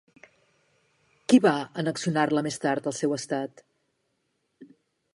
Qui va annexionar-la més tard al seu estat?